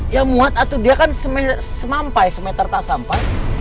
ya muat atuh dia kan semampai semeter tak sampai